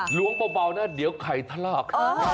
หลวงเบาแล้วเดี๋ยวไข่ถัดรอบ